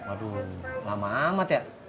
aduh lama amat ya